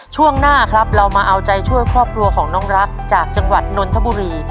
ช่วงหน้าครับเรามาเอาใจช่วยครอบครัวของน้องรักจากจังหวัดนนทบุรี